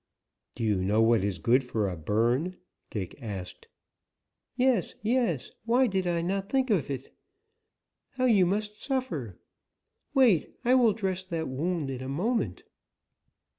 "Do you know what is good for a burn?" Dick asked. "Yes, yes; why did I not think of it? How you must suffer! Wait, I will dress that wound in a moment."